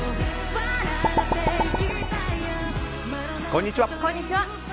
こんにちは。